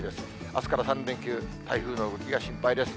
あすから３連休、台風の動きが心配です。